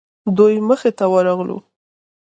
دوی مخې ته ورغلو.